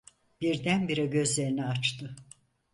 Birdenbire gözlerini açtı.